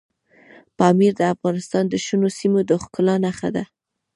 پامیر د افغانستان د شنو سیمو د ښکلا نښه ده.